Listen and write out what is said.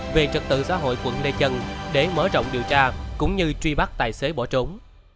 về trật tự xã hội quận lê chân để mở rộng điều tra cũng như truy bắt tài xế bỏ trốn